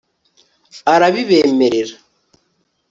arabibemerera